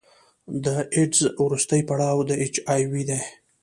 د ایډز وروستی پړاو د اچ آی وي دی.